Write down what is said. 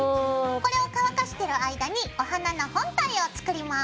これを乾かしてる間にお花の本体を作ります。